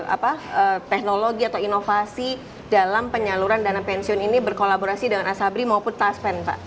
apa teknologi atau inovasi dalam penyaluran dana pensiun ini berkolaborasi dengan asabri maupun taspen pak